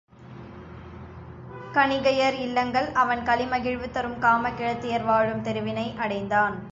கணிகையர் இல்லங்கள் அவன் களிமகிழ்வு தரும் காமக்கிழத்தியர் வாழும் தெருவினை அடைந்தான்.